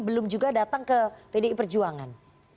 belum juga datang ke pdi perjuangan